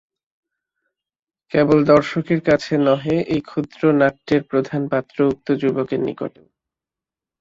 কেবল দর্শকের কাছে নহে, এই ক্ষুদ্র নাট্যের প্রধান পাত্র উক্ত যুবকের নিকটেও।